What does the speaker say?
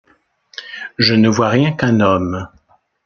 Je ne vois rien qu’un homme.